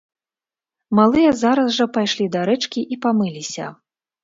Малыя зараз жа пайшлі да рэчкі і памыліся.